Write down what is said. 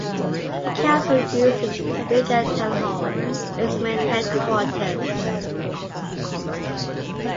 The council uses Wigan Town Hall as its main headquarters.